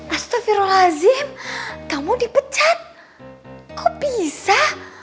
astagfirullahaladzim kamu dipecat kok bisa